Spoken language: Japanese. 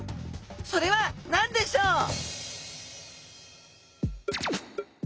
それは何でしょう？